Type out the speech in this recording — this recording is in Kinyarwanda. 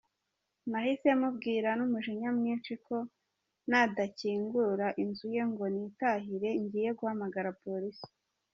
Nahise mubwira n’umujinya mwinshi ko nadakingura inzu ye ngo nitahire ngiye guhamagara police.